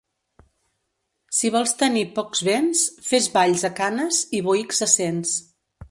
Si vols tenir pocs béns, fes valls a canes i boïcs a cents.